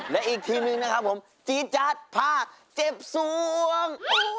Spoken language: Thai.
และอีกทีมหนึ่งนะครับผมจีจัดผ้าเจ็บสวง